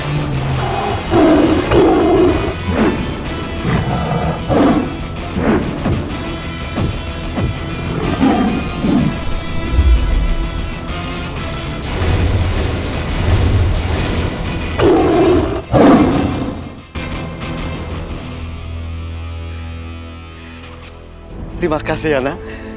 terima kasih yana